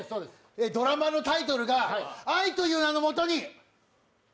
ドラマのタイトルが、「愛という名のもとに」。